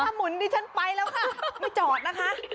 ถ้าหมุนดิฉันไปแล้วค่ะไม่จอดนะคะ